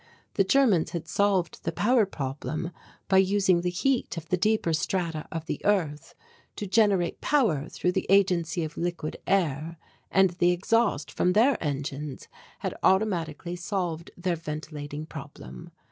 The Germans had solved the power problem by using the heat of the deeper strata of the earth to generate power through the agency of liquid air and the exhaust from their engines had automatically solved their ventilating problem.